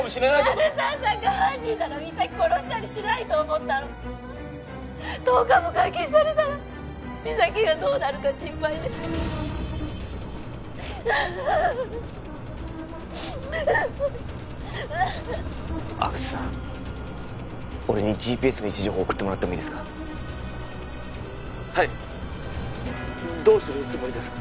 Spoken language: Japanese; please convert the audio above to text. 鳴沢さんが犯人なら実咲殺したりしないと思ったの☎１０日も監禁されたら実咲がどうなるか心配で阿久津さん俺にＧＰＳの位置情報送ってもらってもいいですか☎はいどうするつもりですか？